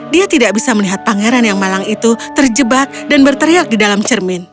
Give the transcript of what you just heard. dia tidak bisa melihat pangeran yang malang itu terjebak dan berteriak di dalam cermin